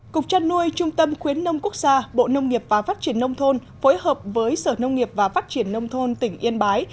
cục trăn nuôi trung tâm khuyến nông quốc gia bộ nông nghiệp và phát triển nông thôn phối hợp với sở nông nghiệp và phát triển nông thôn tỉnh yên bái